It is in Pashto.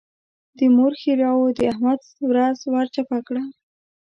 د مور ښېراوو د احمد ورځ ور چپه کړه.